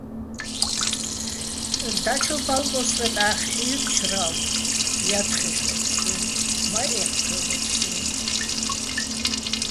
დაჩო ბალკოჼ სვეტახ ჰ̦ი́რჩრალო̆ ჲათხეშ ო ფსტუ́ჲნო̆: მა ე́ჴჴჲო́ლეთ სო-აჲნო̆.